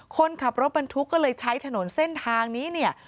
คนขับรถบรรทุกก็เลยใช้ถนนเส้นทางนี้เนี่ย